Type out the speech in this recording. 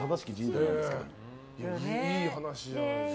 いい話じゃないですか。